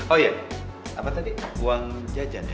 oh iya apa tadi uang jajan ya